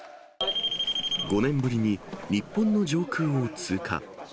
５年ぶりに日本の上空を通過。